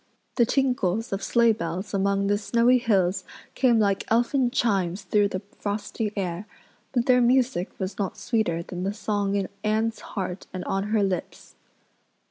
The tinkles of sleigh bells among the snowy hills came like elfin chimes through the frosty air, but their music was not sweeter than the song in Anne's heart and on her lips.